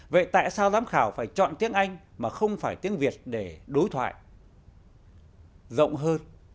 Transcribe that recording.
vậy tại sao giám khảo phải chọn tiếng anh mà không phải tiếng việt để đối thoại rộng hơn